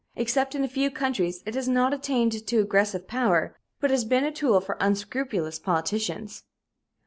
Except in a few countries, it has not attained to aggressive power, but has been a tool for unscrupulous politicians.